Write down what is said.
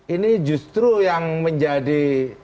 ini justru yang menjadi